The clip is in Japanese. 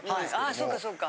そうかそうか。